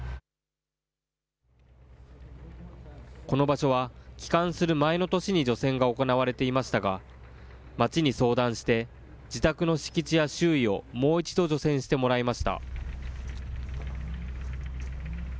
この場所は、帰還する前の年に除染が行われていましたが、町に相談して、自宅の敷地や周囲を、もう一度除染してもらいました。